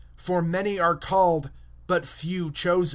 (14)For many are called, but few are chosen.